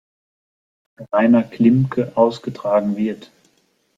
Reiner Klimke ausgetragen wird.